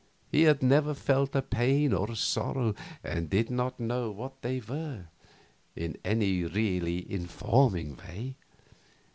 He had never felt a pain or a sorrow, and did not know what they were, in any really informing way.